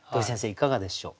いかがでしょう？